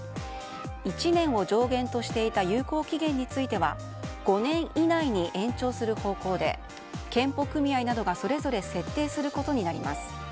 １年を上限としていた有効期限については５年以内に延長する方向で健保組合などがそれぞれ設定することになります。